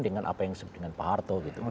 dengan apa yang disebutkan pak harto